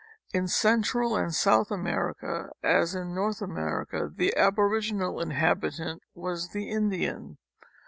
In Central and South America, as in North America, the abo riginal inhabitant was the Indian.